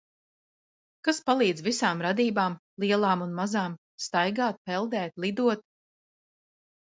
Kas palīdz visām radībām, lielām un mazām, staigāt, peldēt, lidot?